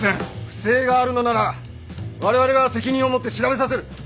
不正があるのならわれわれが責任を持って調べさせる。